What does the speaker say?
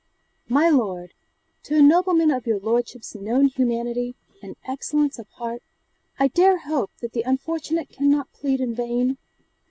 'MY LORD, To a nobleman of your lordship's known humanity and excellence of heart, I dare hope that the unfortunate cannot plead in vain.